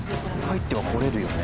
入ってはこれるよね。